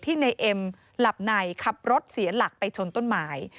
ในเอ็มหลับในขับรถเสียหลักไปชนต้นไม้